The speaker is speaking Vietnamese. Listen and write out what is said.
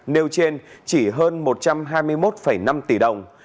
nêu trên chỉ hơn một trăm hai mươi một năm tỷ đồng